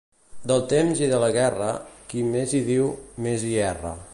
Del temps i de la guerra, qui més hi diu, més hi erra.